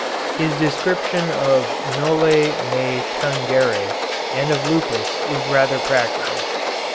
His description of noli me tangere and of lupus is rather practical.